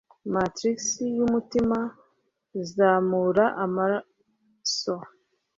Matrix yumutima, zamura amaso